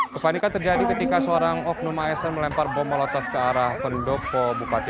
kepanikan terjadi ketika seorang oknumaesan melempar bom molotov kearah pendopo bupati